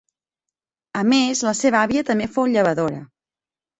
A més, la seva àvia també fou llevadora.